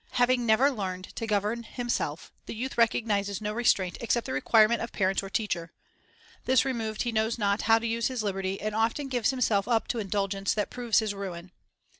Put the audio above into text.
Having never learned to govern himself, the youth recognizes no restraint except the requirement of parents or teacher. This removed, he knows not how to use his liberty, and often gives himself up to indulgence that proves his ruin.